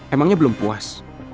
emangnya belum puas